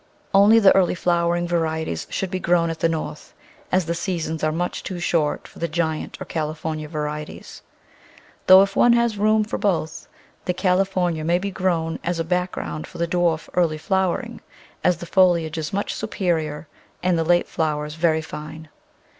Only the early flowering varieties should be grown at the North, as the seasons are much too short for the giant or California varieties; though if one has room for both, the California may be grown as a back ground for the dwarf early flowering, as the foliage is much superior and the late flowers very fine.